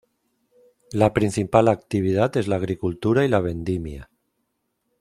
La principal actividad es la agricultura y la vendimia.